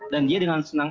dan dia dengan senang